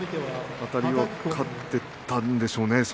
あたり勝っていたんでしょうね。